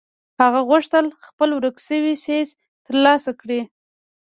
هغه غوښتل خپل ورک شوی څيز تر لاسه کړي.